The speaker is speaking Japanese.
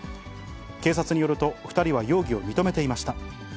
警察によると、２人は容疑を認めていました。